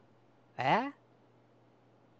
えっ？